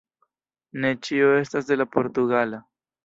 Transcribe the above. Ne ĉio estas de la portugala,